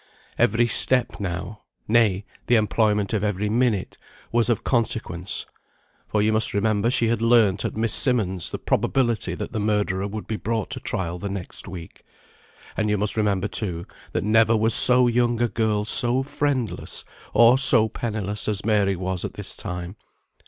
Every step now, nay, the employment of every minute, was of consequence; for you must remember she had learnt at Miss Simmonds' the probability that the murderer would be brought to trial the next week. And you must remember, too, that never was so young a girl so friendless, or so penniless, as Mary was at this time.